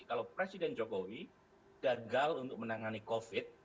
kalau presiden jokowi gagal untuk menangani covid